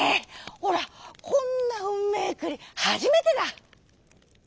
おらこんなうんめえくりはじめてだ」。